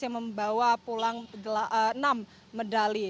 yang membawa pulang enam medali